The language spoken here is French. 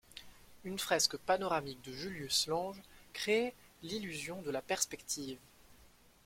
Une fresque panoramique de Julius Lange créait l'illusion de la perspective.